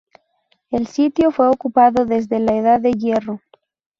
El sitio fue ocupado desde la Edad de Hierro.